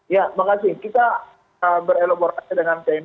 ya makasih kita melakukan pemadaman setiap harinya pak alman